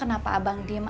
sangat terojak kenapa